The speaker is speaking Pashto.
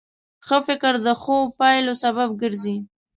ښه فکر د ښو پایلو سبب ګرځي.